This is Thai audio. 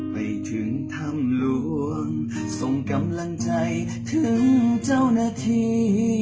ไปถึงถ้ำหลวงส่งกำลังใจถึงเจ้าหน้าที่